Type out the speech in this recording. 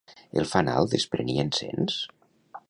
El fanal desprenia encens?